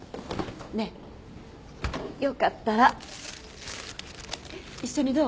ねえよかったら一緒にどう？